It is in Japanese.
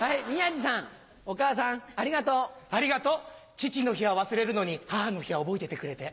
父の日は忘れるのに母の日は覚えててくれて。